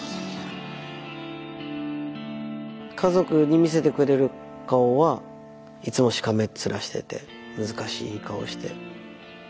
家族に見せてくれる顔はいつもしかめっ面してて難しい顔して。